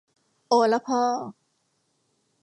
โอละพ่อ